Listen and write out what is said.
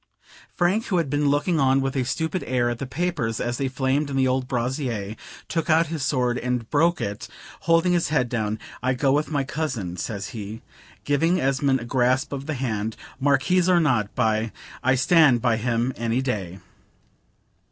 Frank, who had been looking on with a stupid air at the papers, as they flamed in the old brazier, took out his sword and broke it, holding his head down: "I go with my cousin," says he, giving Esmond a grasp of the hand. "Marquis or not, by , I stand by him any day.